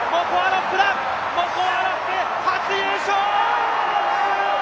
モコ・アロップ、初優勝！